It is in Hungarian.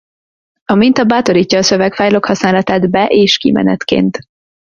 A minta bátorítja a szövegfájlok használatát be- és kimenetként.